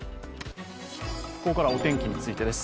ここからはお天気についてです。